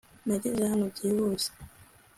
Nageze hano byihuse